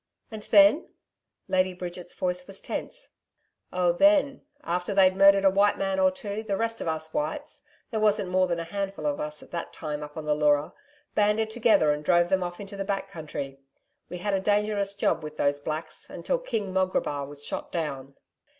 'And then?' Lady Bridget's voice was tense. 'Oh then after they'd murdered a white man or two, the rest of us whites there wasn't more than a handful of us at that time up on the Leura banded together and drove them off into the back country. We had a dangerous job with those Blacks until King Mograbar was shot down.'